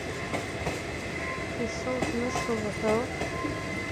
Исылзмыршоз уҳәоу?